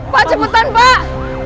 pak cepetan pak